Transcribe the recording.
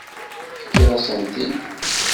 Tefkiḍ-asent-t-id.